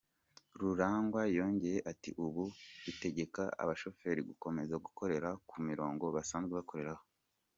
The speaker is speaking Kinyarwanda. Rurangwa yongeye ati : “Ubu dutegeka abashoferi gukomeza gukorera ku mirongo basanzwe bakoreraho.